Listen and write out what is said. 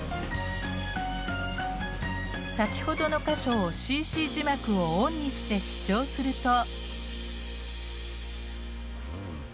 先ほどの箇所をＣＣ字幕をオンにして視聴すると。